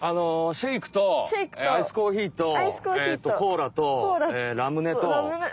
シェイクとアイスコーヒーとコーラとラムネ。